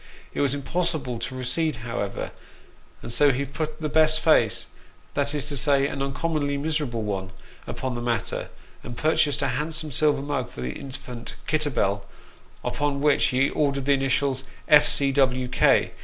It was impossible to recede, however, and so he put the best face that is to say, an uncommonly miserable one upon the matter ; and purchased a handsome silver mug for the infant Kitter bell, upon which he ordered the initials "F. C. W. K.